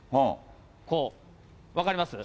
こう、分かります？